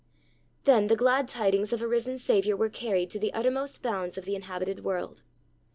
Then the glad tidings of a risen Saviour were carried to the uttermost bounds of the inhabited world.